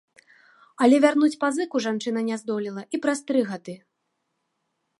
Але вярнуць пазыку жанчына не здолела і праз тры гады.